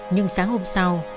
nhưng sáng hôm sau